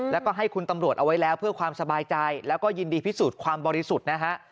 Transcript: แล้วก็ให้คุณตำรวจเอาไว้แล้วเพื่อความสบายใจแล้วก็ยินดีพิสูจน์ความบริสุทธิ์นะฮะ